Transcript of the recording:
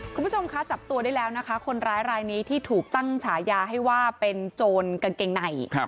คุณผู้ชมคะจับตัวได้แล้วนะคะคนร้ายรายนี้ที่ถูกตั้งฉายาให้ว่าเป็นโจรกางเกงใน